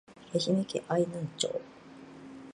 愛媛県愛南町